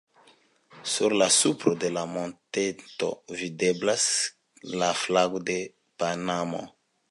Sur la supro de la monteto, videblas la flago de Panamo.